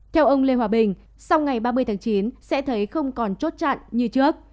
theo ông lê hòa bình sau ngày ba mươi tháng chín sẽ thấy không còn chốt chặn như trước